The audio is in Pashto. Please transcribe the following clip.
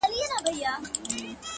خاوري دي ژوند سه؛ دا دی ارمان دی؛